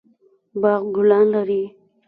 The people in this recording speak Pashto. باغ ګلان لري